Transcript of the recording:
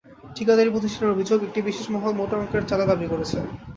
ঠিকাদারি প্রতিষ্ঠানের অভিযোগ, একটি বিশেষ মহল মোটা অঙ্কের চাঁদা দাবি করেছে।